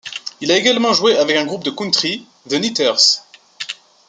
Il a également joué avec un groupe de country, The Knitters.